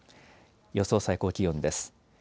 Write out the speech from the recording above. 予想最高気温です。